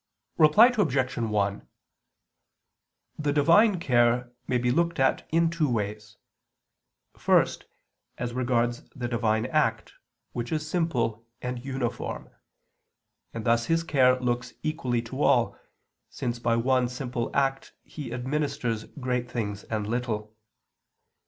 Reply Obj. 1: The Divine care may be looked at in two ways: first, as regards the Divine act, which is simple and uniform; and thus His care looks equally to all, since by one simple act He administers great things and little.